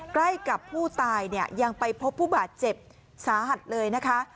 ใกล้กับผู้ตายยังไปพบผู้บาดเจ็บสาหัสเลย